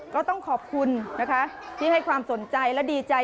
ก็ต้องขอบคุณนะคะที่ให้ความสนใจและดีใจ